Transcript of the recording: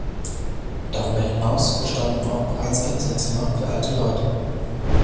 Darüber hinaus bestanden auch bereits Einzelzimmer für alte Leute.